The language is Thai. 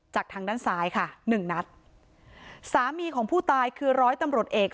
ทางด้านซ้ายค่ะหนึ่งนัดสามีของผู้ตายคือร้อยตำรวจเอก